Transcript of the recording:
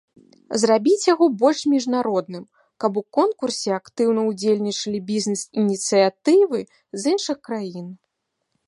Зрабіць яго больш міжнародным, каб у конкурсе актыўна ўдзельнічалі бізнес-ініцыятывы з іншых краін.